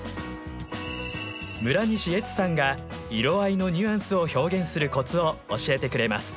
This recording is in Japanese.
村西恵津さんが色合いのニュアンスを表現するコツを教えてくれます。